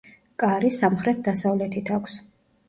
კარი სამხრეთ-დასავლეთით აქვს.